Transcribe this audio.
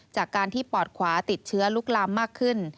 จากการที่ปอดขวาติดเชื้อลุกลามมากขึ้น